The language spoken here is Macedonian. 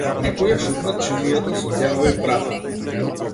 Некој ја шутна чинијата со денови празна.